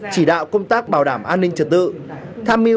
chỉ đạo công tác bảo đảm an ninh trật tự